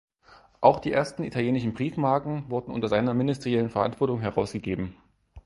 Auch die ersten italienischen Briefmarken wurden unter seiner ministeriellen Verantwortung herausgegeben.